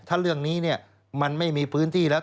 ถ้าเรื่องนี้เนี่ยมันไม่มีพื้นที่แล้ว